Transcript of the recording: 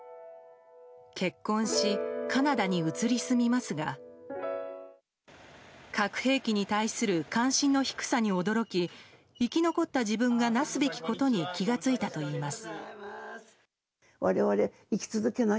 結婚しカナダに移り住みますが核兵器に対する関心の低さに驚き生き残った自分がなすべきことに気が付いたといいます。